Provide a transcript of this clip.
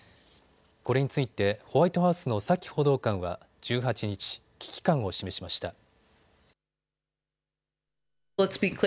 これについてホワイトハウスのサキ報道官は１８日、危機感を示しました。